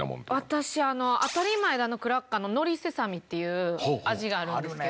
私あの「あたり前田のクラッカー」の「のりセサミ」っていう味があるんですけど。